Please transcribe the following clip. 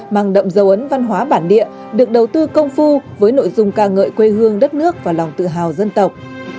mang đậm dấu ấn văn hóa bản địa được đầu tư công phu với nội dung ca ngợi quê hương đất nước và lòng tự hào dân tộc